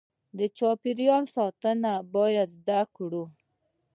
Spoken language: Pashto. د چاپیریال ساتنه باید زده کړو.